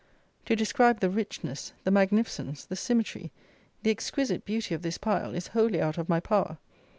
To describe the richness, the magnificence, the symmetry, the exquisite beauty of this pile, is wholly out of my power.